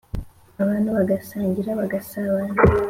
abantu bagasangira bagasabana.